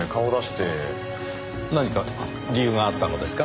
何か理由があったのですか？